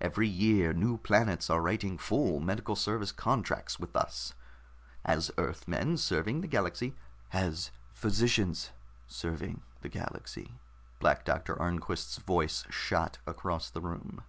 Every year new planets are writing full medical service contracts with us ... as Earthmen serving the galaxy " "As physicians serving the galaxy," Black Doctor Arnquist's voice shot across the room.